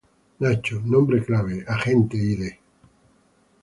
Nacho: Nombre clave: Agente Id.